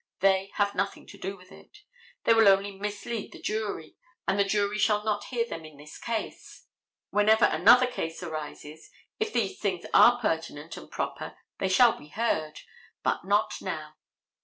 They have nothing to do with it. They will only mislead the jury, and the jury shall not hear them in this case. Whenever another case arises, if these things are pertinent and proper they shall be heard, but not now.